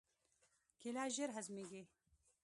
کېله ژر هضمېږي.